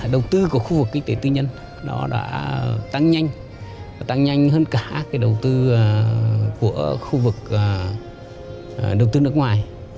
đầu tư của khu vực kinh tế tư nhân nó đã tăng nhanh tăng nhanh hơn cả cái đầu tư của khu vực đầu tư nước ngoài